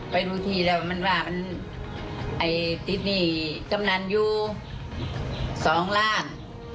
ไปดูที่แล้วมันว่าไอติสนีย์จำนานอยู่๒ร้าน